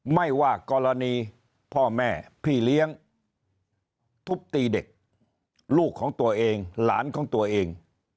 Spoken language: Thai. ไม่ว่ากรณีพ่อแม่พี่เลี้ยงทุบตีเด็กลูกของตัวเองหลานของตัวเอง